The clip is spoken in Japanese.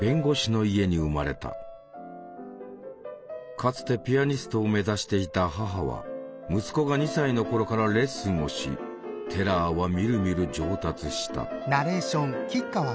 かつてピアニストを目指していた母は息子が２歳の頃からレッスンをしテラーはみるみる上達した。